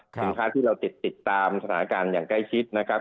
สินค้าที่เราติดตามสถานการณ์อย่างใกล้ชิดนะครับ